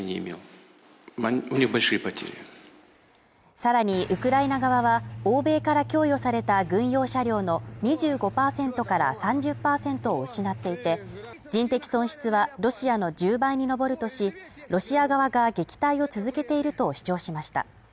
さらにウクライナ側は欧米から供与された軍用車両の２５％から３０％を失っていて、人的損失は、ロシアの１０倍に上るとしロシア側が撃退を続けていると主張しました。